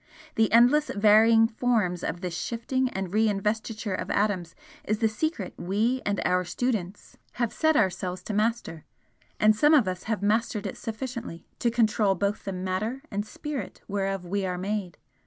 The endless varying forms of this shifting and re investiture of atoms is the secret we and our students have set ourselves to master and some of us have mastered it sufficiently to control both the matter and spirit whereof we are made.